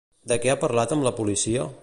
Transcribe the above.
De què ha parlat amb la policia?